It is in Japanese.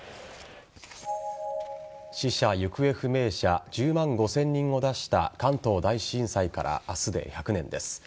死者・行方不明者１０万５０００人を出した関東大震災から明日で１００年です。